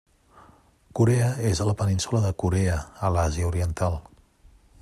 Corea és a la península de Corea a l'Àsia Oriental.